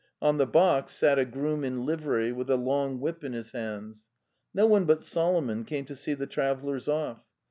On the box sat a groom in livery, with a long whip in his hands. No one but Solomon came to see the travellers off.